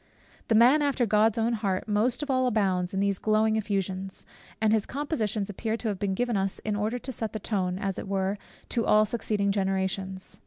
The man after God's own heart most of all abounds in these glowing effusions; and his compositions appear to have been given us in order to set the tone, as it were, to all succeeding generations.